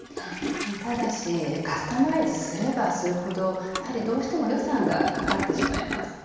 ただしカスタマイズすればするほどやはりどうしても予算がかかってしまいます。